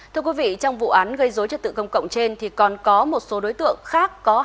thưa quý vị trong vụ án gây dối trật tự công cộng trên thì còn có một số đối tượng khác có